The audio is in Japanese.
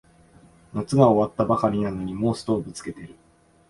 夏が終わったばかりなのにもうストーブつけてる